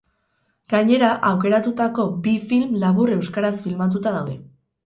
Gainera, aukeratutako bi film labur euskaraz filmatuta daude.